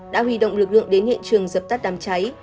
đã huy động lực lượng đến hiện trường dập tắt đám cháy